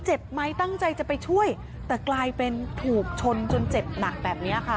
เจ็บไหมตั้งใจจะไปช่วยแต่กลายเป็นถูกชนจนเจ็บหนักแบบนี้ค่ะ